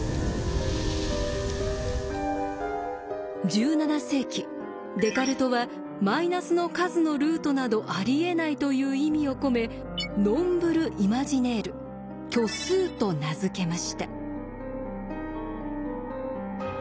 １７世紀デカルトはマイナスの数のルートなどありえないという意味を込め「ｎｏｍｂｒｅｉｍａｇｉｎａｉｒｅ」「虚数」と名付けました。